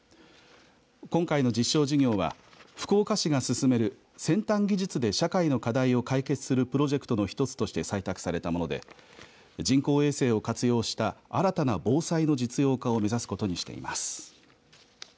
今回の実証事業は福岡市が進める先端技術で社会の課題を解決するプロジェクトの一つとして採択されたもので人工衛星を活用した新たな防災の実用化を目指すことにしています。